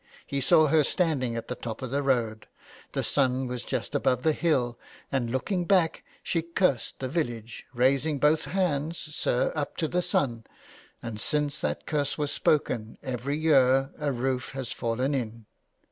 He saw her standing at the top of the road. The sun was just above the hill, and looking back she cursed the village, raising both hands, sir, up to the sun, and since that curse was spoken, every year a roof has fallen in."